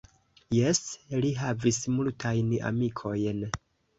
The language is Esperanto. Jes, li havis multajn amikojn.